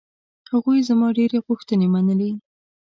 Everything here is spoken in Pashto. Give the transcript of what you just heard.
هغوی زما ډېرې غوښتنې منلې.